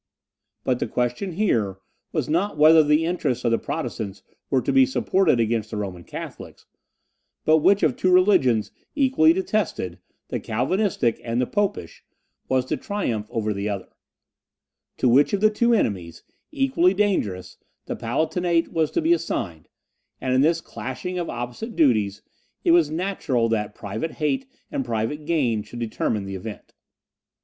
But the question here was not whether the interests of the Protestants were to be supported against the Roman Catholics, but which of two religions equally detested, the Calvinistic and the Popish, was to triumph over the other; to which of the two enemies, equally dangerous, the Palatinate was to be assigned; and in this clashing of opposite duties, it was natural that private hate and private gain should determine the event.